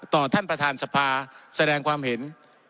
ท่านประธานสภาแสดงความเห็น